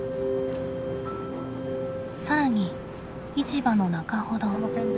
更に市場の中ほど。